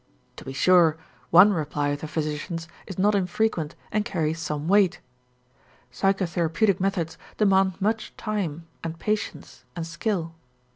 To be sure, one reply of the physicians is not infrequent and carries some weight. Psychotherapeutic methods demand much time and patience and skill.